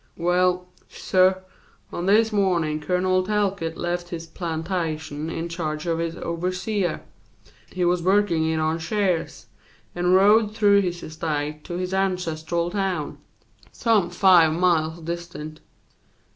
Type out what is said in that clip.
Well, suh, on this mornin' Colonel Talcott left his plantation in charge of his overseer, he was workin' it on shares, and rode through his estate to his ancestral town, some five miles distant.